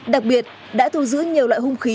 đặc biệt đã thu giữ nhiều loại hung khí